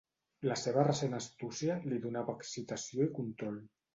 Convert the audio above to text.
La seva recent astúcia li donava excitació i control.